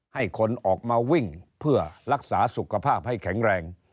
ให้คนออกมาวิ่งเพื่อรักษาสุขภาพให้แข็งแรง